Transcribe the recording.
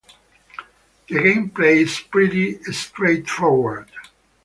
The gameplay is pretty straightforward.